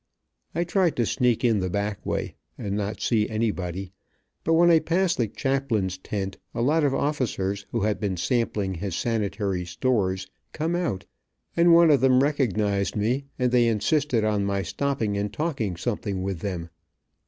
I tried to sneak in the back way, and not see anybody, but when I passed the chaplain's tent a lot of officers, who had been sampling his sanitary stores, come out, and one of them recognized me, and they insisted on my stopping and talking something with them.